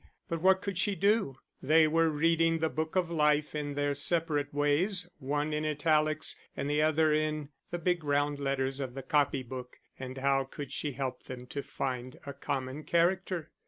But what could she do? They were reading the book of life in their separate ways, one in italics, the other in the big round letters of the copy book; and how could she help them to find a common character?